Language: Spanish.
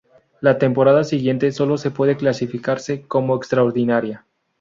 La temporada siguiente sólo puede calificarse como extraordinaria.